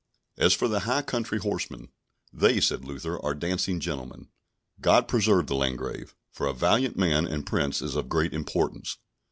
As for the high country horsemen, they, said Luther, are dancing gentlemen. God preserve the Landgrave; for a valiant man and Prince is of great importance.